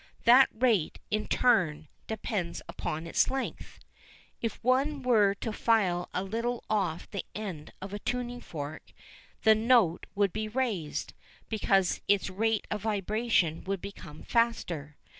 That rate, in turn, depends upon its length. If one were to file a little off the end of a tuning fork, its note would be raised, because its rate of vibration would become faster.